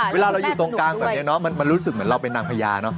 เวลาเราอยู่ตรงกลางแบบนี้เนอะมันรู้สึกแบบเราเป็นนางพญา